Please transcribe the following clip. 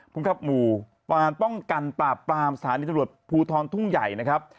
ภูมิครับหมู่ปานป้องกันปราบปรามสถานีตำรวจภูทรทุ่งใหญ่นะครับ